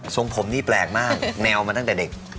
ทรงผมนี่แปลกมากแนวมาตั้งแต่เด็ก